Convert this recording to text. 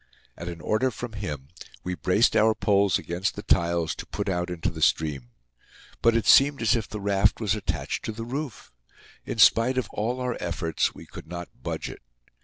At an order from him, we braced our poles against the tiles to put out into the stream. But it seemed as if the raft was attached to the roof. In spite of all our efforts, we could not budge it.